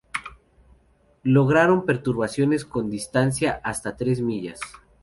Lograron perturbaciones con distancias de hasta tres millas.